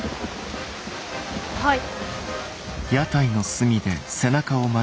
はい。